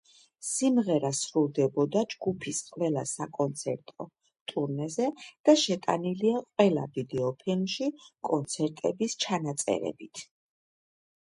სიმღერა სრულდებოდა ჯგუფის ყველა საკონცერტო ტურნეზე და შეტანილია ყველა ვიდეოფილმში კონცერტების ჩანაწერებით.